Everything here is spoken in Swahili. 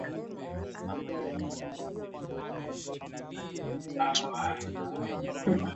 Kiwango cha maambukizi ya ugonjwa wa kuhara